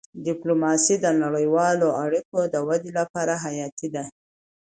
ډيپلوماسي د نړیوالو اړیکو د ودې لپاره حیاتي ده.